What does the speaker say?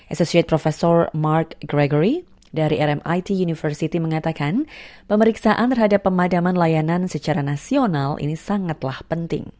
associate profesor mark gragory dari rmit university mengatakan pemeriksaan terhadap pemadaman layanan secara nasional ini sangatlah penting